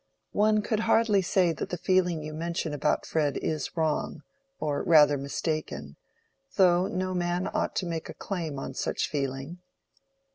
"One could hardly say that the feeling you mention about Fred is wrong—or rather, mistaken—though no man ought to make a claim on such feeling."